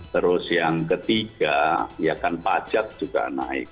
terus yang ketiga ya kan pajak juga naik